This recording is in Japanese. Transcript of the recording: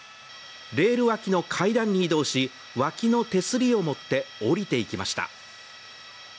レール脇の階段に移動し脇の手すりを持って下りていきました。